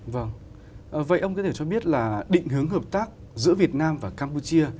vâng vậy ông có thể cho biết là định hướng hợp tác giữa việt nam và campuchia